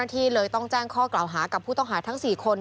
ที่เลยต้องแจ้งข้อกล่าวหากับผู้ต้องหาทั้ง๔คน